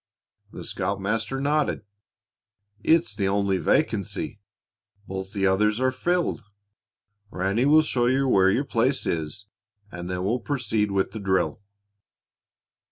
The scoutmaster nodded. "It's the only vacancy. Both the others are filled. Ranny will show you where your place is, and then we'll proceed with the drill."